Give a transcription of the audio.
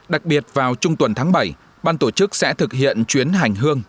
đặc biệt vào trung tuần tháng bảy ban tổ chức sẽ thực hiện chuyến hành hương